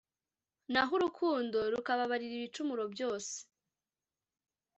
naho urukundo rukababarira ibicumuro byose